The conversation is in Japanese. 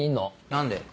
何で？